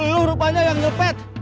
lu rupanya yang ngelepet